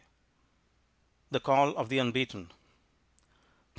_ THE CALL OF THE UNBEATEN P.